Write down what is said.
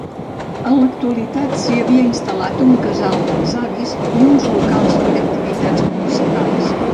En l'actualitat s'hi havia instal·lat un casal dels avis i uns locals per activitats municipals.